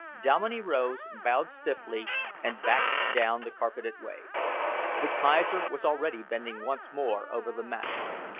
Dominey rose, bowed stiffly and backed down the carpeted way. The Kaiser was already bending once more over the map.